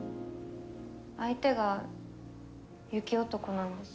相手が雪男なんです。